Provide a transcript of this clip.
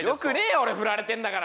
俺フラれてんだから！